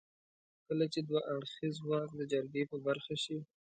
کله چې دوه اړخيز واک د جرګې په برخه شي.